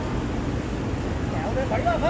คุณอยู่ในโรงพยาบาลนะ